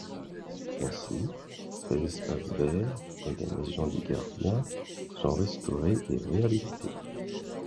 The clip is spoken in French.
Ainsi, les espaces verts et la maison du gardien sont restaurés et réhabilités.